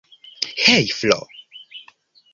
Hej Flo!